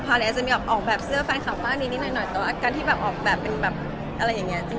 พาลเจมส์ออกแบบเสื้อแฟนคลับฝ้าดี้นิ้นนิ้นนิ้อยแต่ว่าการที่ออกแบบเป็นแบบอะไรอย่างนี้